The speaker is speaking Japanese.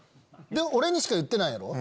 俺にしか言ってないやろ。